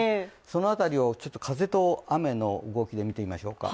その辺りを風と雨の動きで見てみましょうか。